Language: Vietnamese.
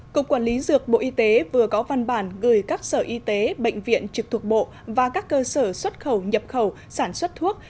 cục quản lý dược bộ y tế vừa có văn bản gửi các sở y tế bệnh viện trực thuộc bộ và các cơ sở xuất khẩu nhập khẩu sản xuất thuốc